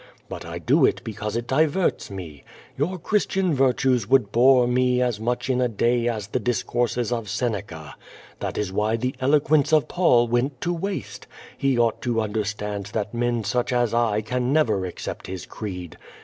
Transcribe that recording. But I do it because it diverts me. Your Christian virtues would bore me as much in a day as the discourses of Seneca. That is why the eloquence of Paul went to waste. He ought to understand that men such as I can never accept his creed.